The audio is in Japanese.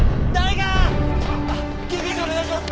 あっ救急車お願いします！